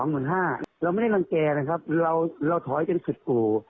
เราไม่ได้รังแก่นะครับเราถอยจนสุดกู่